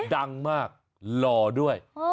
ดังมากหล่อด้วย